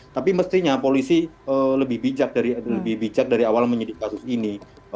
tapi mestinya polisi lebih bijak dari awal menyidik kasus ini